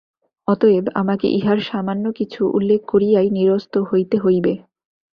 অতএব আমাকে ইহার সামান্য কিছু উল্লেখ করিয়াই নিরস্ত হইতে হইবে।